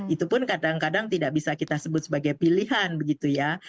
itu pun kadang kadang tidak bisa kita sebut sebagai pilihan begitu ya